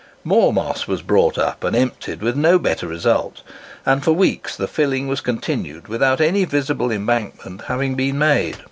More moss was brought up and emptied with no better result; and for weeks the filling was continued without any visible embankment having been made.